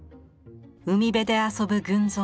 海辺で遊ぶ群像。